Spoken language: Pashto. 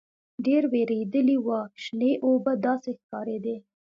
ډېر وېردلي وو شنې اوبه داسې ښکارېدې.